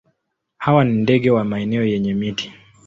Hawa ni ndege wa maeneo yenye miti.